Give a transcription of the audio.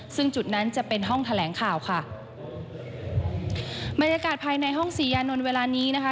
ซึ่งจุดนั้นจะเป็นห้องแถลงข่าวค่ะบรรยากาศภายในห้องศรียานนท์เวลานี้นะคะ